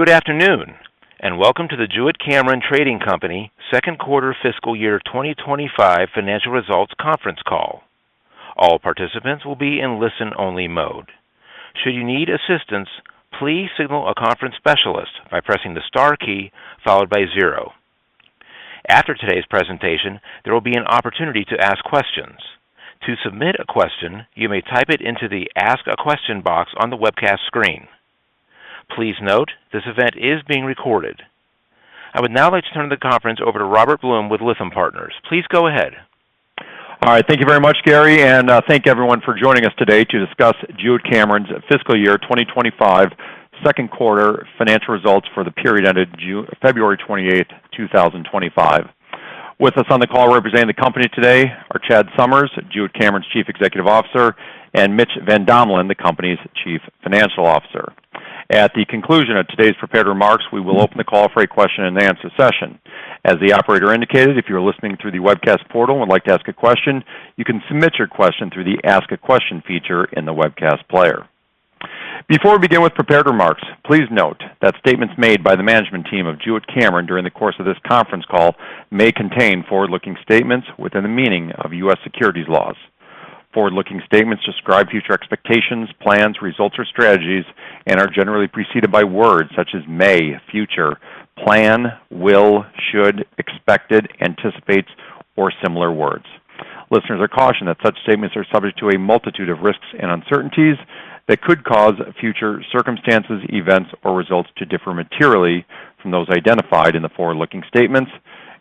Good afternoon, and welcome to the Jewett-Cameron Trading Company second quarter fiscal 2026 financial results conference call. All participants will be in listen-only mode. Should you need assistance, please signal a conference specialist by pressing the star key followed by zero. After today's presentation, there will be an opportunity to ask questions. To submit a question, you may type it into the Ask a Question box on the webcast screen. Please note, this event is being recorded. I would now like to turn the conference over to Robert Blum with Lytham Partners. Please go ahead. All right. Thank you very much, Gary, and thank everyone for joining us today to discuss Jewett-Cameron's fiscal year 2026 second quarter financial results for the period ended February 28th, 2025. With us on the call representing the company today are Chad Summers, Jewett-Cameron's Chief Executive Officer, and Mitch Van Domelen, the company's Chief Financial Officer. At the conclusion of today's prepared remarks, we will open the call for a question-and-answer session. As the operator indicated, if you are listening through the webcast portal and would like to ask a question, you can submit your question through the Ask a Question feature in the webcast player. Before we begin with prepared remarks, please note that statements made by the management team of Jewett-Cameron during the course of this conference call may contain forward-looking statements within the meaning of U.S. securities laws. Forward-looking statements describe future expectations, plans, results, or strategies and are generally preceded by words such as may, future, plan, will, should, expected, anticipates, or similar words. Listeners are cautioned that such statements are subject to a multitude of risks and uncertainties that could cause future circumstances, events, or results to differ materially from those identified in the forward-looking statements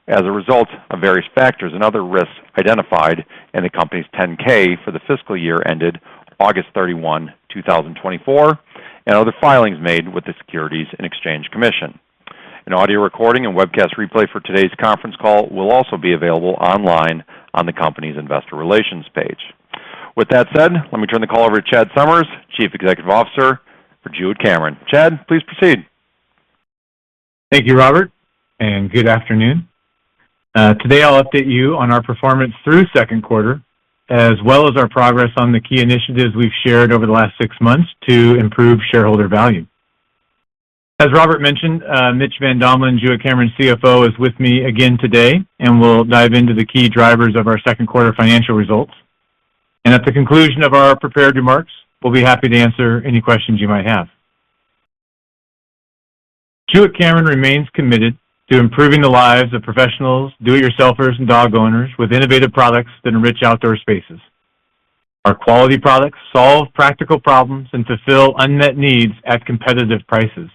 as a result of various factors and other risks identified in the company's 10-K for the fiscal year ended August 31, 2024, and other filings made with the Securities and Exchange Commission. An audio recording and webcast replay for today's conference call will also be available online on the company's investor relations page. With that said, let me turn the call over to Chad Summers, Chief Executive Officer for Jewett-Cameron. Chad, please proceed. Thank you, Robert, and good afternoon. Today I'll update you on our performance through second quarter, as well as our progress on the key initiatives we've shared over the last six months to improve shareholder value. As Robert mentioned, Mitch Van Domelen, Jewett-Cameron's CFO, is with me again today and will dive into the key drivers of our second quarter financial results. At the conclusion of our prepared remarks, we'll be happy to answer any questions you might have. Jewett-Cameron remains committed to improving the lives of professionals, do-it-yourselfers, and dog owners with innovative products that enrich outdoor spaces. Our quality products solve practical problems and fulfill unmet needs at competitive prices.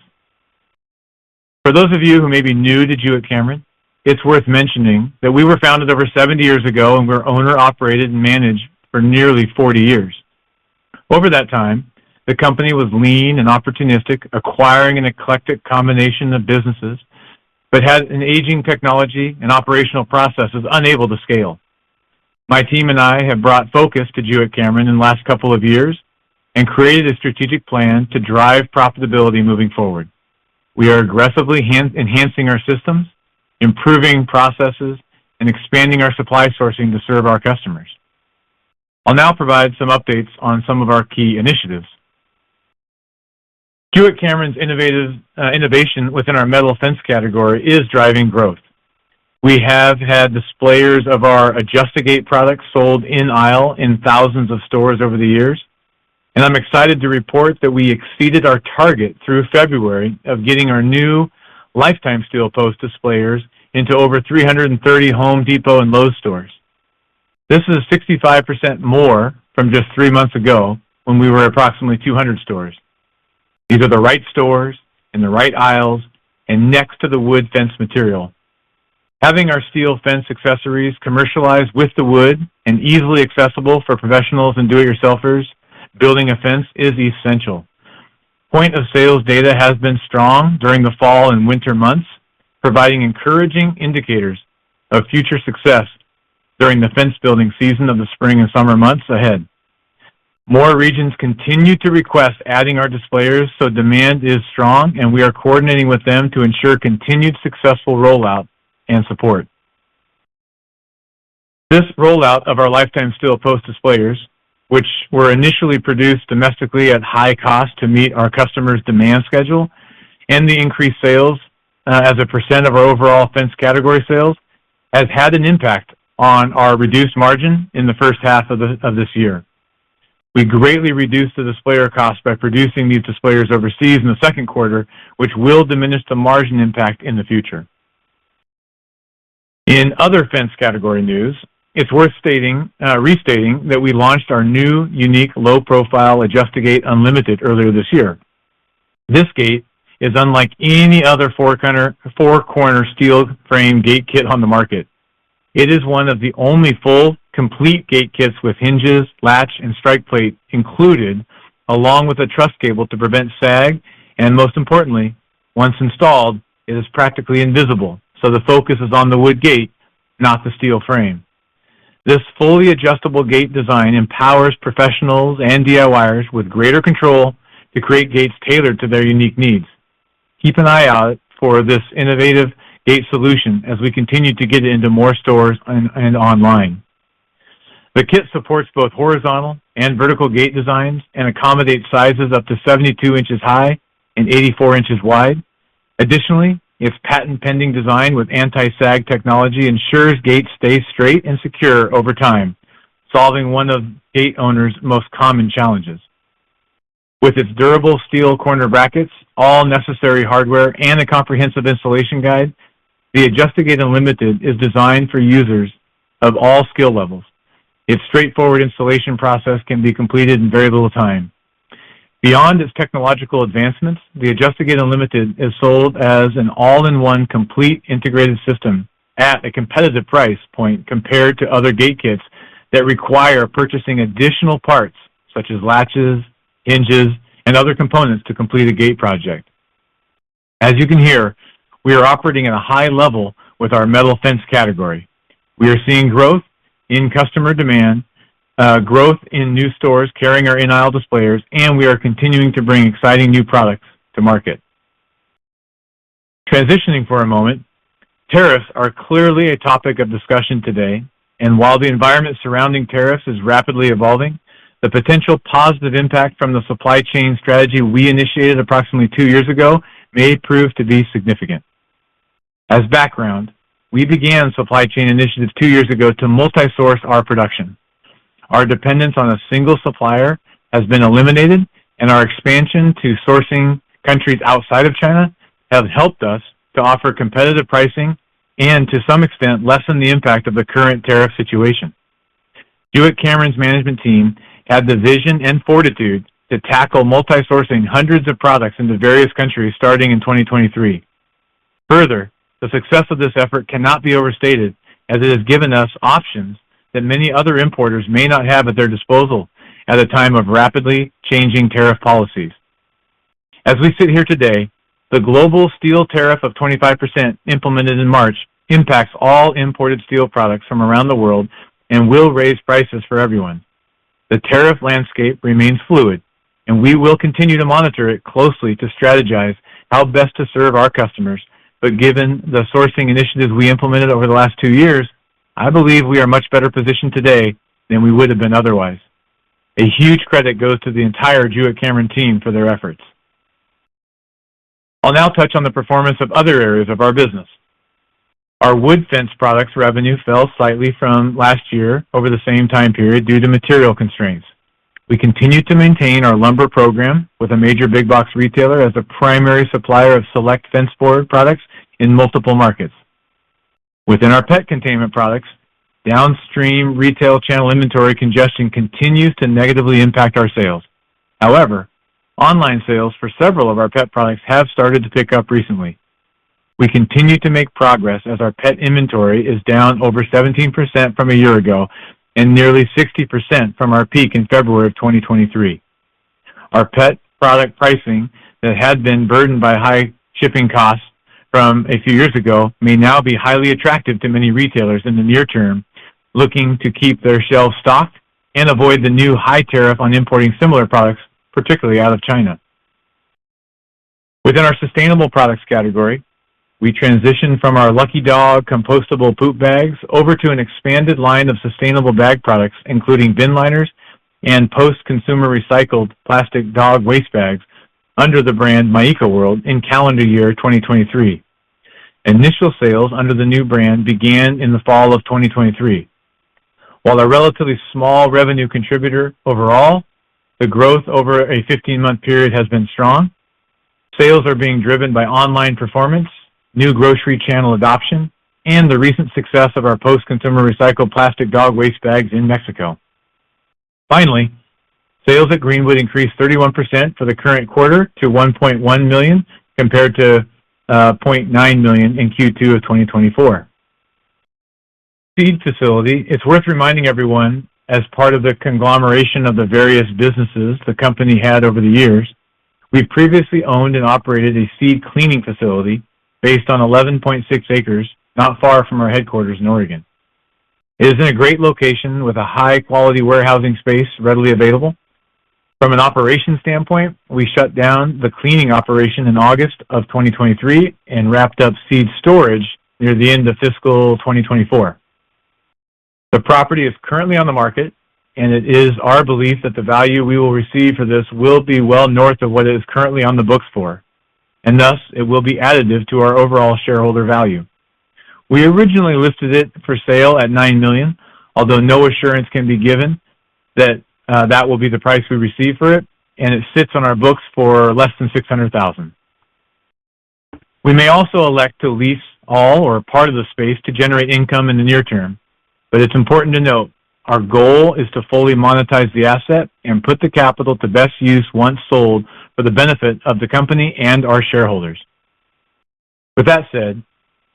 For those of you who may be new to Jewett-Cameron, it's worth mentioning that we were founded over 70 years ago and were owner-operated and managed for nearly 40 years. Over that time, the company was lean and opportunistic, acquiring an eclectic combination of businesses, but had an aging technology and operational processes unable to scale. My team and I have brought focus to Jewett-Cameron in the last couple of years and created a strategic plan to drive profitability moving forward. We are aggressively enhancing our systems, improving processes, and expanding our supply sourcing to serve our customers. I'll now provide some updates on some of our key initiatives. Jewett-Cameron's innovation within our metal fence category is driving growth. We have had displayers of our Adjust-A-Gate products sold in aisle in thousands of stores over the years, and I'm excited to report that we exceeded our target through February of getting our new Lifetime Steel Post displayers into over 330 Home Depot and Lowe's stores. This is 65% more from just three months ago when we were at approximately 200 stores. Even the right stores in the right aisles and next to the wood fence material. Having our steel fence accessories commercialized with the wood and easily accessible for professionals and do-it-yourselfers building a fence is essential. Point-of-sales data has been strong during the fall and winter months, providing encouraging indicators of future success during the fence-building season of the spring and summer months ahead. More regions continue to request adding our displayers, so demand is strong, and we are coordinating with them to ensure continued successful rollout and support. This rollout of our Lifetime Steel Post displayers, which were initially produced domestically at high cost to meet our customers' demand schedule and the increased sales as a percent of our overall fence category sales, has had an impact on our reduced margin in the first half of this year. We greatly reduced the displayer cost by producing these displayers overseas in the second quarter, which will diminish the margin impact in the future. In other fence category news, it's worth restating that we launched our new unique low-profile Adjust-A-Gate Unlimited earlier this year. This gate is unlike any other four-corner steel frame gate kit on the market. It is one of the only full, complete gate kits with hinges, latch, and strike plate included, along with a truss cable to prevent sag, and most importantly, once installed, it is practically invisible, so the focus is on the wood gate, not the steel frame. This fully adjustable gate design empowers professionals and DIYers with greater control to create gates tailored to their unique needs. Keep an eye out for this innovative gate solution as we continue to get into more stores and online. The kit supports both horizontal and vertical gate designs and accommodates sizes up to 72" high and 84" wide. Additionally, its patent-pending design with anti-sag technology ensures gates stay straight and secure over time, solving one of gate owners' most common challenges. With its durable steel corner brackets, all necessary hardware, and a comprehensive installation guide, the Adjust-A-Gate Unlimited is designed for users of all skill levels. Its straightforward installation process can be completed in very little time. Beyond its technological advancements, the Adjust-A-Gate Unlimited is sold as an all-in-one complete integrated system at a competitive price point compared to other gate kits that require purchasing additional parts such as latches, hinges, and other components to complete a gate project. As you can hear, we are operating at a high level with our metal fence category. We are seeing growth in customer demand, growth in new stores carrying our in-aisle displayers, and we are continuing to bring exciting new products to market. Transitioning for a moment, tariffs are clearly a topic of discussion today, and while the environment surrounding tariffs is rapidly evolving, the potential positive impact from the supply chain strategy we initiated approximately two years ago may prove to be significant. As background, we began supply chain initiatives two years ago to multi-source our production. Our dependence on a single supplier has been eliminated, and our expansion to sourcing countries outside of China has helped us to offer competitive pricing and, to some extent, lessen the impact of the current tariff situation. Jewett-Cameron's management team had the vision and fortitude to tackle multi-sourcing hundreds of products into various countries starting in 2023. Further, the success of this effort cannot be overstated, as it has given us options that many other importers may not have at their disposal at a time of rapidly changing tariff policies. As we sit here today, the global steel tariff of 25% implemented in March impacts all imported steel products from around the world and will raise prices for everyone. The tariff landscape remains fluid, and we will continue to monitor it closely to strategize how best to serve our customers, but given the sourcing initiatives we implemented over the last two years, I believe we are much better positioned today than we would have been otherwise. A huge credit goes to the entire Jewett-Cameron team for their efforts. I'll now touch on the performance of other areas of our business. Our wood fence products revenue fell slightly from last year over the same time period due to material constraints. We continue to maintain our lumber program with a major big-box retailer as the primary supplier of select fence board products in multiple markets. Within our pet containment products, downstream retail channel inventory congestion continues to negatively impact our sales. However, online sales for several of our pet products have started to pick up recently. We continue to make progress as our pet inventory is down over 17% from a year ago and nearly 60% from our peak in February of 2023. Our pet product pricing that had been burdened by high shipping costs from a few years ago may now be highly attractive to many retailers in the near term, looking to keep their shelves stocked and avoid the new high tariff on importing similar products, particularly out of China. Within our sustainable products category, we transitioned from our Lucky Dog compostable poop bags over to an expanded line of sustainable bag products, including bin liners and post-consumer recycled plastic dog waste bags under the brand MyEcoWorld in calendar year 2023. Initial sales under the new brand began in the fall of 2023. While a relatively small revenue contributor overall, the growth over a 15-month period has been strong. Sales are being driven by online performance, new grocery channel adoption, and the recent success of our post-consumer recycled plastic dog waste bags in Mexico. Finally, sales at Greenwood increased 31% for the current quarter to $1.1 million compared to $0.9 million in Q2 of 2024. It's worth reminding everyone, as part of the conglomeration of the various businesses the company had over the years, we previously owned and operated a seed cleaning facility based on 11.6 acres not far from our headquarters in Oregon. It is in a great location with a high-quality warehousing space readily available. From an operation standpoint, we shut down the cleaning operation in August of 2023 and wrapped up seed storage near the end of fiscal 2024. The property is currently on the market, and it is our belief that the value we will receive for this will be well north of what it is currently on the books for, and thus, it will be additive to our overall shareholder value. We originally listed it for sale at $9 million, although no assurance can be given that that will be the price we receive for it, and it sits on our books for less than $600,000. We may also elect to lease all or part of the space to generate income in the near term, but it's important to note, our goal is to fully monetize the asset and put the capital to best use once sold for the benefit of the company and our shareholders. With that said,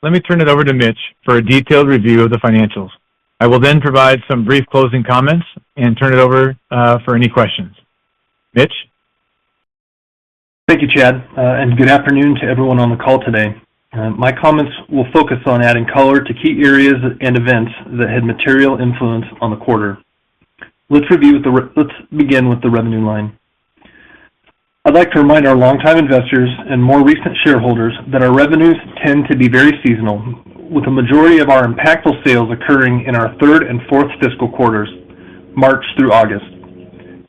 let me turn it over to Mitch for a detailed review of the financials. I will then provide some brief closing comments and turn it over for any questions. Mitch? Thank you, Chad, and good afternoon to everyone on the call today. My comments will focus on adding color to key areas and events that had material influence on the quarter. Let's begin with the revenue line. I'd like to remind our longtime investors and more recent shareholders that our revenues tend to be very seasonal, with a majority of our impactful sales occurring in our third and fourth fiscal quarters, March through August.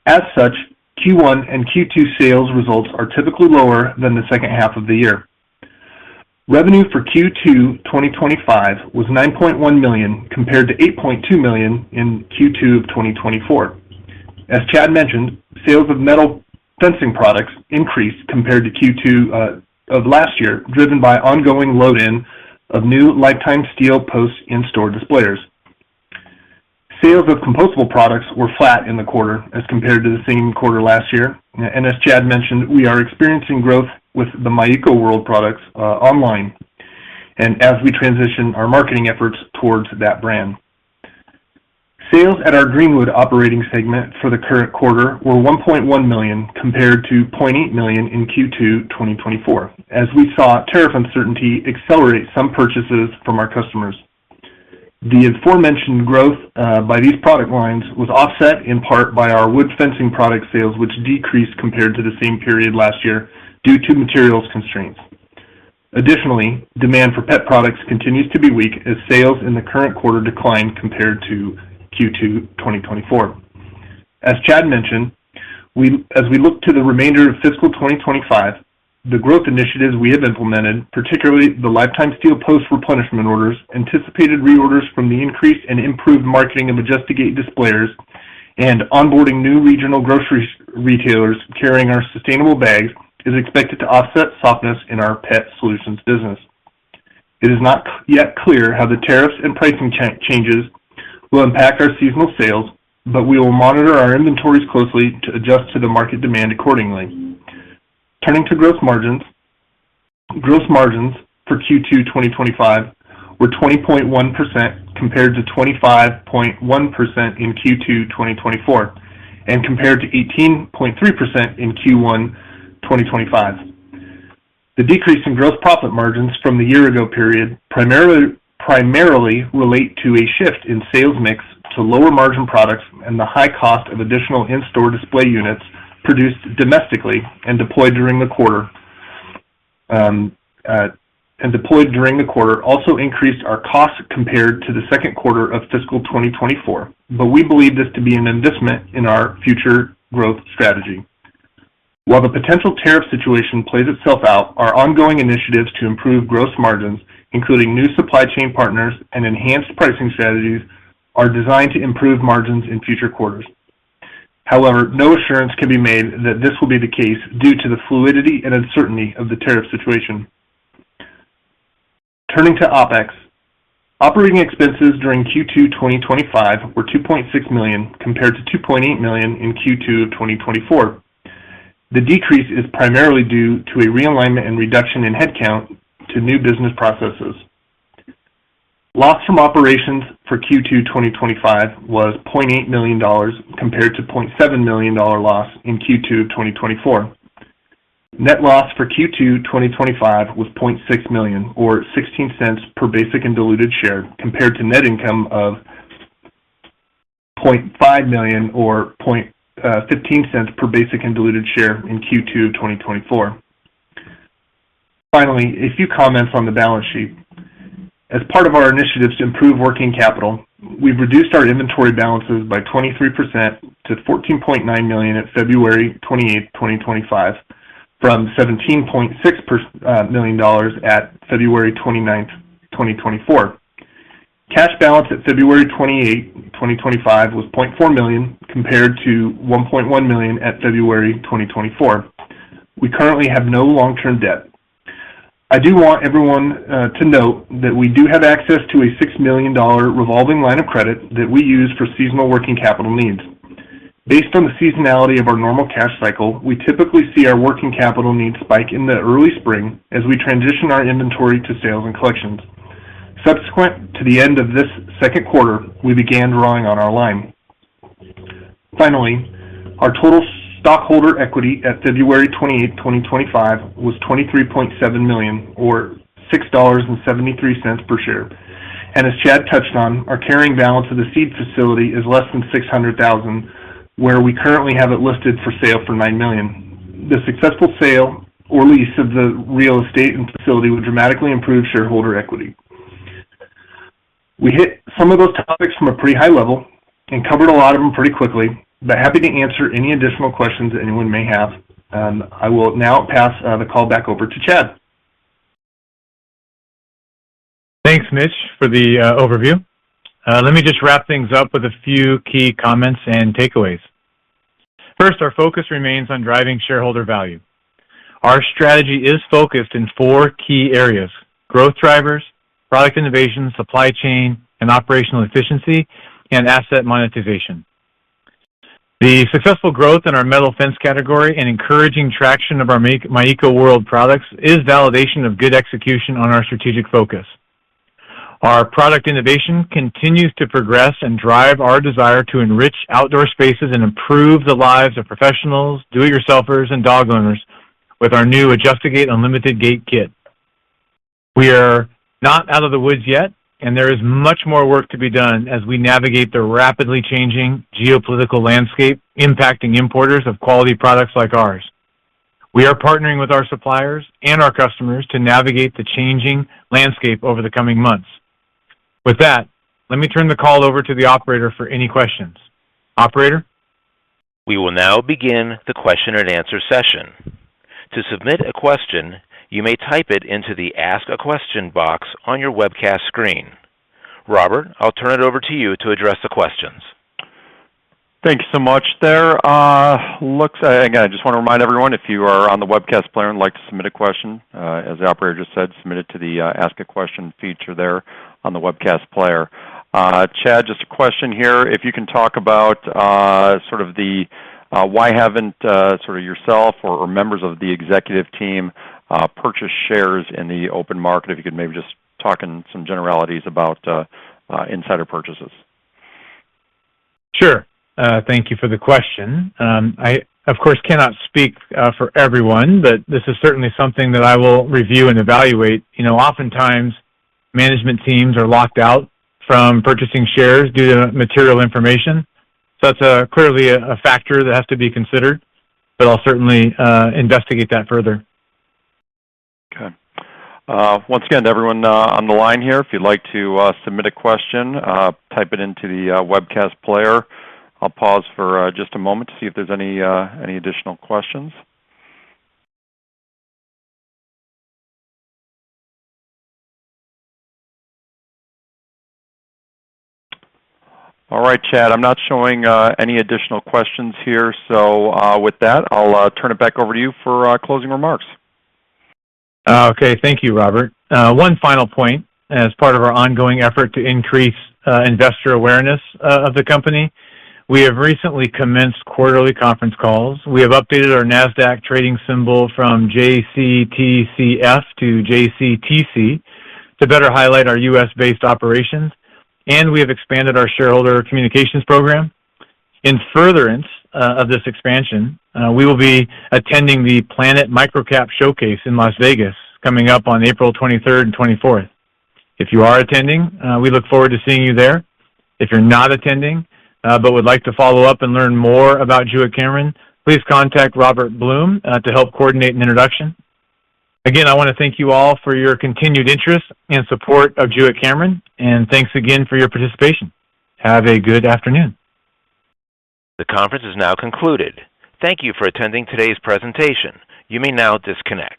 As such, Q1 and Q2 sales results are typically lower than the second half of the year. Revenue for Q2 2025 was $9.1 million, compared to $8.2 million in Q2 of 2024. As Chad mentioned, sales of metal fencing products increased compared to Q2 of last year, driven by ongoing load-in of new Lifetime Steel Posts in store displayers. Sales of compostable products were flat in the quarter as compared to the same quarter last year. As Chad mentioned, we are experiencing growth with the MyEcoWorld products online and as we transition our marketing efforts towards that brand. Sales at our Greenwood operating segment for the current quarter were $1.1 million, compared to $0.8 million in Q2 2024, as we saw tariff uncertainty accelerate some purchases from our customers. The aforementioned growth by these product lines was offset in part by our wood fencing product sales, which decreased compared to the same period last year due to materials constraints. Additionally, demand for pet products continues to be weak as sales in the current quarter declined compared to Q2 2024. As Chad mentioned, as we look to the remainder of fiscal 2025, the growth initiatives we have implemented, particularly the Lifetime Steel Post replenishment orders, anticipated reorders from the increased and improved marketing of Adjust-A-Gate displayers, and onboarding new regional grocery retailers carrying our sustainable bags, is expected to offset softness in our Pet Solutions business. It is not yet clear how the tariffs and pricing changes will impact our seasonal sales, but we will monitor our inventories closely to adjust to the market demand accordingly. Turning to gross margins. Gross margins for Q2 2025 were 20.1% compared to 25.1% in Q2 2024, and compared to 18.3% in Q1 2025. The decrease in gross profit margins from the year-ago period primarily relate to a shift in sales mix to lower margin products and the high cost of additional in-store display units produced domestically and deployed during the quarter, also increased our costs compared to the second quarter of fiscal 2024. We believe this to be an investment in our future growth strategy. While the potential tariff situation plays itself out, our ongoing initiatives to improve gross margins, including new supply chain partners and enhanced pricing strategies, are designed to improve margins in future quarters. However, no assurance can be made that this will be the case due to the fluidity and uncertainty of the tariff situation. Turning to OpEx. Operating expenses during Q2 2025 were $2.6 million compared to $2.8 million in Q2 of 2024. The decrease is primarily due to a realignment and reduction in headcount to new business processes. Loss from operations for Q2 2025 was $0.8 million, compared to $0.7 million loss in Q2 of 2024. Net loss for Q2 2025 was $0.6 million or $0.16 per basic and diluted share, compared to net income of $0.5 million or $0.15 per basic and diluted share in Q2 of 2024. Finally, a few comments on the balance sheet. As part of our initiatives to improve working capital, we've reduced our inventory balances by 23% to $14.9 million at February 28, 2025, from $17.6 million at February 29th, 2024. Cash balance at February 28, 2025, was $0.4 million compared to $1.1 million at February 2024. We currently have no long-term debt. I do want everyone to note that we do have access to a $6 million revolving line of credit that we use for seasonal working capital needs. Based on the seasonality of our normal cash cycle, we typically see our working capital needs spike in the early spring as we transition our inventory to sales and collections. Subsequent to the end of this second quarter, we began drawing on our line. Finally, our total stockholder equity at February 28, 2025, was $23.7 million or $6.73 per share. As Chad touched on, our carrying balance of the Seed facility is less than $600,000, where we currently have it listed for sale for $9 million. The successful sale or lease of the real estate and facility would dramatically improve shareholder equity. We hit some of those topics from a pretty high level and covered a lot of them pretty quickly, but happy to answer any additional questions anyone may have. I will now pass the call back over to Chad. Thanks, Mitch, for the overview. Let me just wrap things up with a few key comments and takeaways. First, our focus remains on driving shareholder value. Our strategy is focused in four key areas, growth drivers, product innovation, supply chain and operational efficiency, and asset monetization. The successful growth in our metal fence category and encouraging traction of our MyEcoWorld products is validation of good execution on our strategic focus. Our product innovation continues to progress and drive our desire to enrich outdoor spaces and improve the lives of professionals, do-it-yourselfers, and dog owners with our new Adjust-A-Gate Unlimited Gate Kit. We are not out of the woods yet, and there is much more work to be done as we navigate the rapidly changing geopolitical landscape impacting importers of quality products like ours. We are partnering with our suppliers and our customers to navigate the changing landscape over the coming months. With that, let me turn the call over to the operator for any questions. Operator? We will now begin the question and answer session. To submit a question, you may type it into the ask a question box on your webcast screen. Robert, I'll turn it over to you to address the questions. Thank you so much. Again, I just want to remind everyone, if you are on the webcast player and would like to submit a question, as the operator just said, submit it to the ask a question feature there on the webcast player. Chad, just a question here. If you can talk about why haven't sort of yourself or members of the executive team purchased shares in the open market? If you could maybe just talk in some generalities about insider purchases. Sure. Thank you for the question. I, of course, cannot speak for everyone, but this is certainly something that I will review and evaluate. Oftentimes, management teams are locked out from purchasing shares due to material information, so that's clearly a factor that has to be considered, but I'll certainly investigate that further. Okay. Once again, to everyone on the line here, if you'd like to submit a question, type it into the webcast player. I'll pause for just a moment to see if there's any additional questions. All right, Chad, I'm not showing any additional questions here. With that, I'll turn it back over to you for closing remarks. Okay. Thank you, Robert. One final point. As part of our ongoing effort to increase investor awareness of the company, we have recently commenced quarterly conference calls. We have updated our Nasdaq trading symbol from JCTCF to JCTC to better highlight our U.S.-based operations, and we have expanded our shareholder communications program. In furtherance of this expansion, we will be attending the Planet MicroCap Showcase in Las Vegas, coming up on April 23rd and 24th. If you are attending, we look forward to seeing you there. If you're not attending but would like to follow up and learn more about Jewett-Cameron, please contact Robert Blum to help coordinate an introduction. Again, I want to thank you all for your continued interest and support of Jewett-Cameron, and thanks again for your participation. Have a good afternoon. The conference is now concluded. Thank you for attending today's presentation. You may now disconnect.